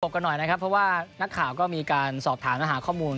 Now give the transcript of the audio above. กันหน่อยนะครับเพราะว่านักข่าวก็มีการสอบถามและหาข้อมูล